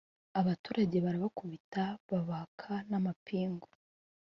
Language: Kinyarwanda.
abaturage barabakubita babaka n’amapingu